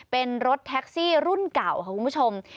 เป็นรถแท็กซี่รุ่นเก่าค่ะคุณผู้ชม